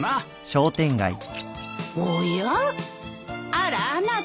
あらあなた。